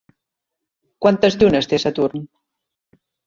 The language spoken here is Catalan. Quantes llunes té Saturn?